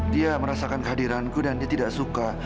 dia merasakan kehadiranku dan dia tidak suka